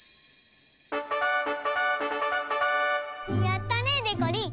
やったねでこりん！